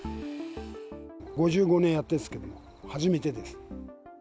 ５５年やってますけど、初めてです。